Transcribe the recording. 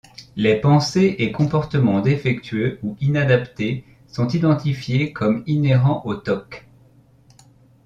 Les pensées et comportements défectueux ou inadaptés sont identifiés comme inhérents aux tocs.